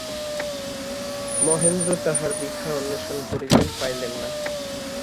মহেন্দ্র তাঁহার বৃথা অন্বেষণ করিলেন, পাইলেন না।